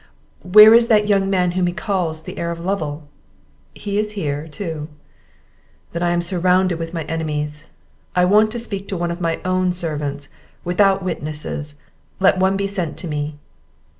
"Where is that young man whom he calls the heir of Lovel?" "He is here, too." "Then I am surrounded with my enemies. I want to speak to one of my own servants, without witnesses; let one be sent to me."